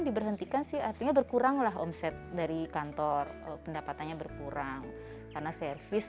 diberhentikan sih artinya berkuranglah omset dari kantor pendapatannya berkurang karena servis